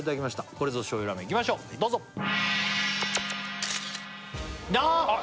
これぞ醤油ラーメンいきましょうどうぞあーっ！